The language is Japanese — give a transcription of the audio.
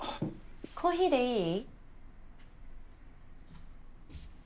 コーヒーでいい？